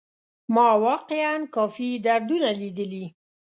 ما واقيعا کافي دردونه ليدلي.